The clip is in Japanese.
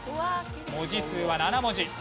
文字数は７文字。